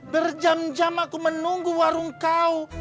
berjam jam aku menunggu warung kau